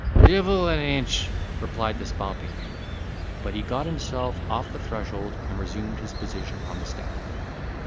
"Divil an inch," replied the spalpeen; but he got himself off the threshold and resumed his position on the step.